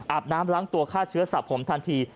น้ำล้างตัวฆ่าเชื้อสระผมทันที